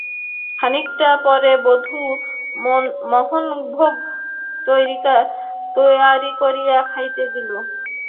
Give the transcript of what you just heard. খানিকটা পরে বধূ মোহনভোগ তৈয়ারি করিয়া খাইতে দিল।